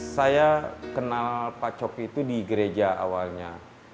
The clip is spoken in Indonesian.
saya kenal pak coki itu di gereja awalnya